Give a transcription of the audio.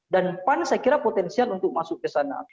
pan saya kira potensial untuk masuk ke sana